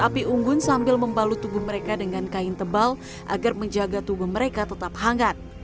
api unggun sambil membalut tubuh mereka dengan kain tebal agar menjaga tubuh mereka tetap hangat